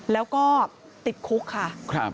แล้วก็ติดคุกค่ะ